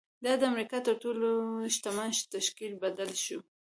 دا د امریکا تر تر ټولو شتمن تشکیل بدل شو